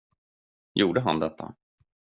Gjorde han detta?